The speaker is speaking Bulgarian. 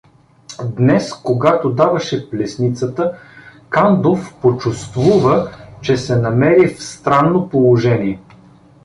Днес, когато даваше плесницата, Кандов почувствува, че се намери в странно положение.